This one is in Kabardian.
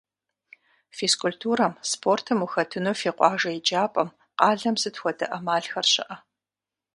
Физкультурэм, спортым ухэтыну фи къуажэ еджапӀэм, къалэм сыт хуэдэ Ӏэмалхэр щыӀэ?